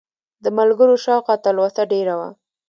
د ملګرو شوق او تلوسه ډېره وه.